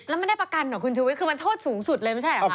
แล้วไม่ได้ประกันเหรอคุณชูวิทย์คือมันโทษสูงสุดเลยไม่ใช่เหรอคะ